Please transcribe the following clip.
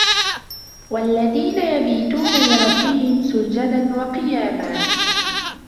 والذين يبيتون لربهم سجدا وقياما